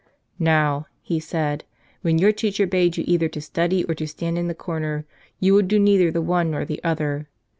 "Now," he said, "when your teacher bade you either to study or to stand in the corner you would do neither the one nor the other.